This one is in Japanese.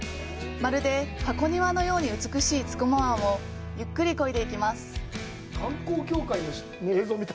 まるで箱庭のように美しい九十九湾をゆっくり漕いでいきます。